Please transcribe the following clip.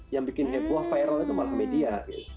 yang bikin heboh viral itu malah media